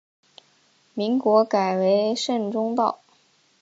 民国改为滇中道。